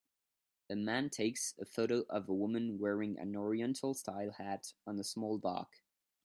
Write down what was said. A man takes a photo of a woman wearing an oriental style hat on a small dock